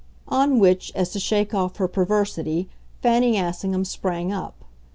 On which, as to shake off her perversity, Fanny Assingham sprang up.